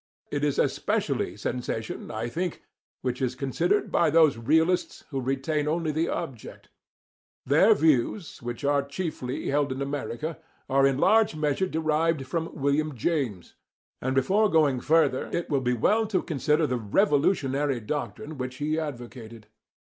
It is especially sensation, I think, which is considered by those realists who retain only the object.* Their views, which are chiefly held in America, are in large measure derived from William James, and before going further it will be well to consider the revolutionary doctrine which he advocated.